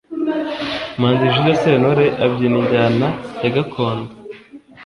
Umuhanzi jule sentore abyina injyana yagakondo